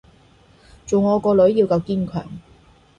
做我個女要夠堅強